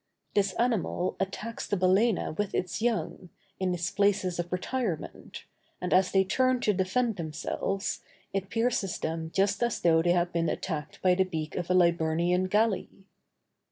This animal attacks the balæna with its young, in its places of retirement, and as they turn to defend themselves, it pierces them just as though they had been attacked by the beak of a Liburnian galley.